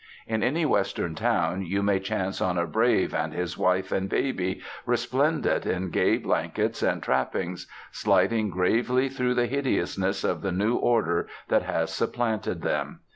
In any western town you may chance on a brave and his wife and a baby, resplendent in gay blankets and trappings, sliding gravely through the hideousness of the new order that has supplanted them.